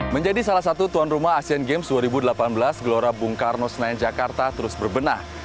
menjadi salah satu tuan rumah asian games dua ribu delapan belas gelora bung karno senayan jakarta terus berbenah